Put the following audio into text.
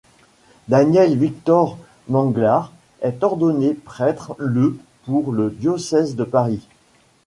Daniel-Victor Manglard est ordonné prêtre le pour le diocèse de Paris.